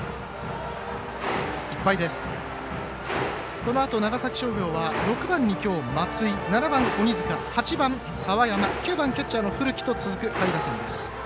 このあと長崎商業は６番にきょうは松井７番、鬼塚８番、澤山９番、キャッチャーの古木と続く下位打線です。